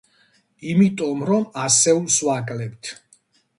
იმიტომ რომ ასეულს ვაკლებთ.